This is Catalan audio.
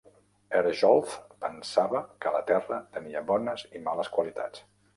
Herjolf pensava que la terra tenia bones i males qualitats.